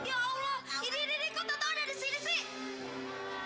ini ini ini kok tonton ada disini sih